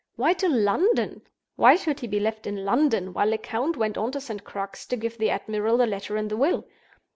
Why to London? Why should he be left in London, while Lecount went on to St. Crux to give the admiral the Letter and the Will?